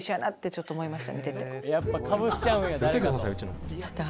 ちょっと思いました